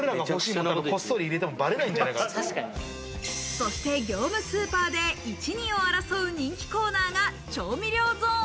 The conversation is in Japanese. そして業務スーパーで１、２を争う人気コーナーが調味料ゾーン。